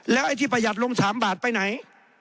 ไอ้ที่ประหยัดลง๓บาทไปไหน